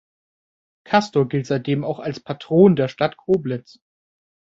Castor gilt seitdem auch als Patron der Stadt Koblenz.